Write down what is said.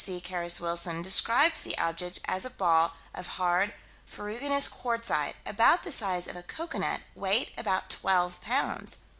C. Carus Wilson describes the object as a ball of hard, ferruginous quartzite, about the size of a cocoanut, weight about twelve pounds.